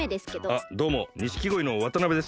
あっどうも錦鯉の渡辺です。